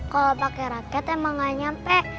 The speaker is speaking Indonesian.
kalau pakai raket emang gak nyampe